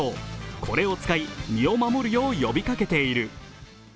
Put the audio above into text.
これを使い、身を守るよう呼びかけている。